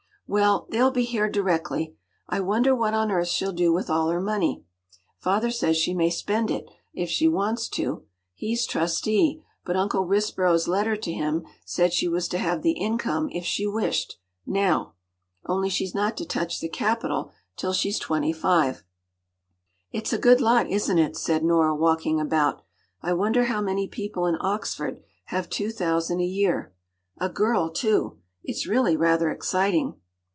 ” “Well, they’ll be here directly. I wonder what on earth she’ll do with all her money. Father says she may spend it, if she wants to. He’s trustee, but Uncle Risborough’s letter to him said she was to have the income if she wished—_now_. Only she’s not to touch the capital till she’s twenty five.” “It’s a good lot, isn’t it?” said Nora, walking about. “I wonder how many people in Oxford have two thousand a year? A girl too. It’s really rather exciting.